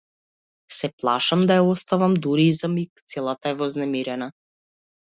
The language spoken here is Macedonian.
Се плашам да ја оставам дури и за миг, целата е вознемирена.